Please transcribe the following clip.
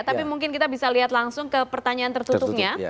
tapi mungkin kita bisa lihat langsung ke pertanyaan tertutupnya